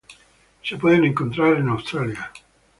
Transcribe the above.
Se pueden encontrar en Australia.